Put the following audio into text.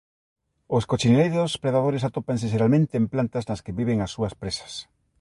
Os coccinélidos predadores atópanse xeralmente en plantas nas que viven as súas presas.